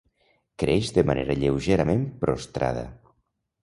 Creix de manera lleugerament prostrada.